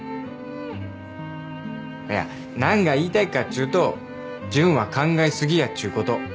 いや何が言いたいかっちゅうと純は考え過ぎやっちゅうこと。